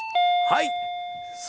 はい。